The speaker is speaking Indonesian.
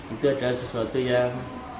ini adalah sesuatu yang